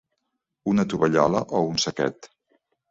Una tovallola o un saquet.